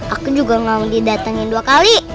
aku juga gak mau didatengin dua kali